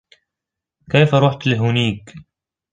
كيف رحت لهونيك ؟